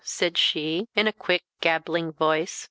said she, in a quick gabbling voice.